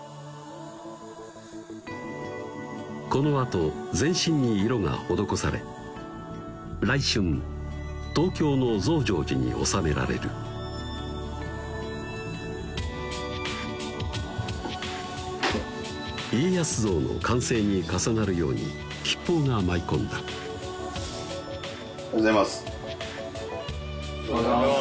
このあと全身に色が施され来春東京の増上寺に納められる家康像の完成に重なるように吉報が舞い込んだおはようございますおはようございます